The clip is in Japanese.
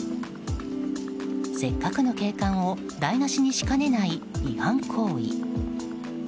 せっかくの景観を台無しにしかねない、違反行為。